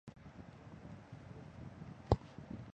佟兆元自奉天高等师范学校毕业。